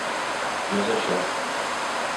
No és això.